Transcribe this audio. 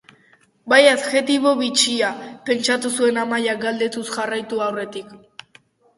Bai adjektibo bitxia, pentsatu zuen Amaiak galdetuz jarraitu aurretik.